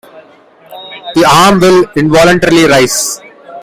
The arm will involuntarily rise.